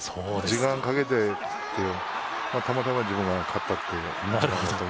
時間をかけてたまたま自分が勝ったという。